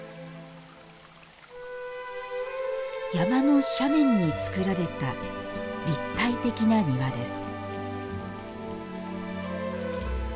山の斜面に造られた立体的な庭です。